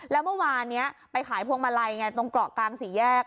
แล้วเมื่อวานนี้ไปขายพวงมาลัยไงตรงเกาะกลางสี่แยก